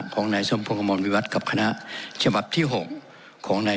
ของนายสภงอมวณวิราตกับคณะจบับที่หกของนาย